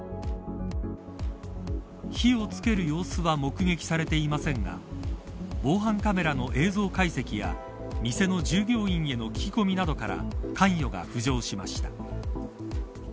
火をつける様子は目撃されていませんが防犯カメラの映像解析や店の従業員への聞き込みなどから関与が浮上しました。